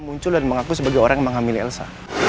muncul dan mengaku sebagai orang yang menghamili elsa